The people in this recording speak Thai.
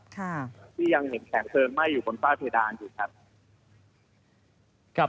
ที่ยังเห็นแสงเชิงไหม้อยู่บนฟาดเพดานน่ะครับ